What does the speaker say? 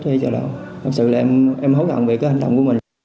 thì em hối hận về cái hành tầm của mình